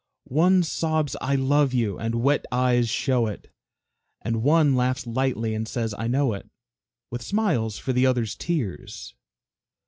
One sobs, "I love you," and wet eyes show it, And one laughs lightly, and says "I know it," With smiles for the other's tears.